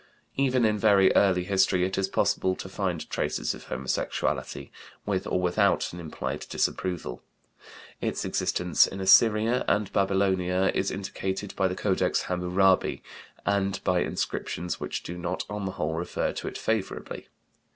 Even in very early history it is possible to find traces of homosexuality, with or without an implied disapproval. Its existence in Assyria and Babylonia is indicated by the Codex Hamurabi and by inscriptions which do not on the whole refer to it favorably.